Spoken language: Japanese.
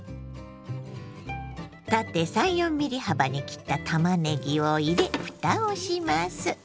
縦３４ｍｍ幅に切ったたまねぎを入れふたをします。